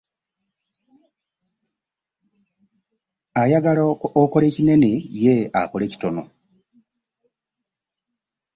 Ayagala okole kinene ye akole ekitono.